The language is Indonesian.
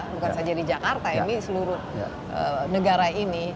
bukan saja di jakarta ini seluruh negara ini